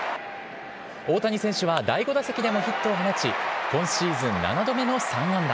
大谷選手は第５打席でもヒットを放ち、今シーズン７度目の３安打。